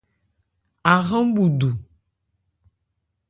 Ahrán bhu du.